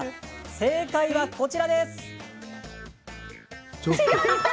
正解はこちらです。